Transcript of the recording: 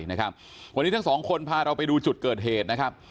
วันนี้ทั้งสองคนพาเราไปดูจุดเกิดเหตุ